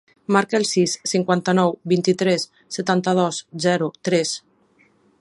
Marca el sis, cinquanta-nou, vint-i-tres, setanta-dos, zero, tres.